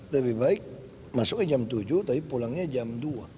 lebih baik masuknya jam tujuh tapi pulangnya jam dua